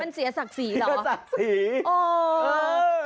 มันเสียศักดิ์ศรีเหรอเสียศักดิ์ศรีอ๋อเออ